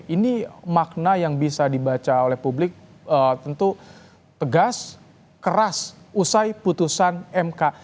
ini makna yang bisa dibaca oleh publik tentu tegas keras usai putusan mk